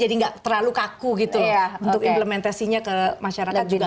jadi enggak terlalu kaku gitu untuk implementasinya ke masyarakat juga akan lebih luas